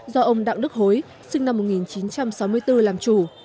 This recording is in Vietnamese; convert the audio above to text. do ông đặng đức hối sinh năm một nghìn chín trăm sáu mươi bốn làm chủ